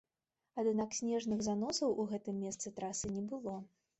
Аднак снежных заносаў у гэтым месцы трасы не было.